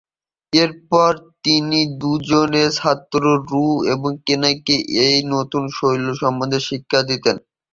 এরপর তিনি দুজন ছাত্র, রু এবং কেনকে এই নতুন শৈলী সম্বন্ধে শিক্ষা দিতেন।